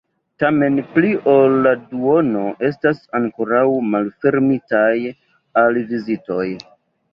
Tamen, pli ol la duono estas ankoraŭ malfermitaj al vizitoj.